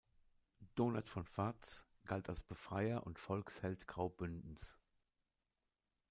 Donat von Vaz galt als Befreier und Volksheld Graubündens.